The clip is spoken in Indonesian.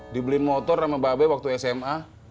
dibeli motor sama mbak abe waktu sma